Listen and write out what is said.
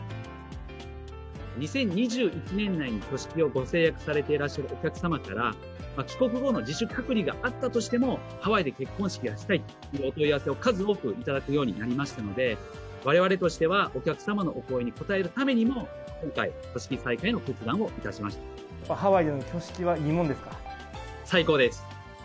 ２０２１年内に挙式をご成約されていらっしゃるお客様から、帰国後の自主隔離があったとしても、ハワイで結婚式がしたいというお問い合わせを数多く頂くようになりましたので、われわれとしてはお客様のお声に応えるためにも、今回、やっぱりハワイでの挙式はい最高です。